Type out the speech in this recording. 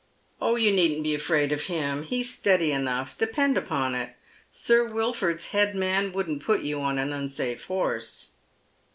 " Oh, you needn't be afraid of him. He's steady enough, depend upon it. Sir Wilford's head man wouldn't put you on an unsafe horse."